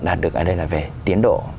đạt được ở đây là về tiến độ